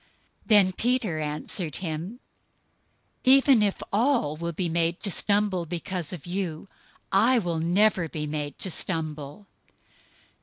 026:033 But Peter answered him, "Even if all will be made to stumble because of you, I will never be made to stumble."